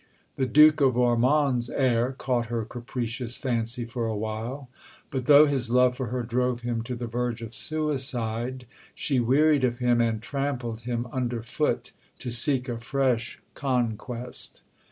The Duke of Ormond's heir caught her capricious fancy for awhile; but, though his love for her drove him to the verge of suicide, she wearied of him and trampled him under foot to seek a fresh conquest.